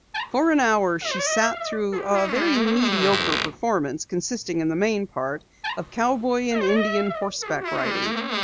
For an hour she sat through a very mediocre performance, consisting in the main part of cowboy and Indian horseback riding.